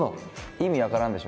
意味分からんでしょ？